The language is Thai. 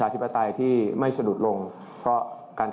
และไม่มีคนฟังชั้นสอน